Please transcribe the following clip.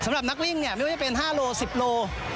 สำหรับนักวิ่งเนี่ยไม่ว่าจะเป็น๕โล๑๐โล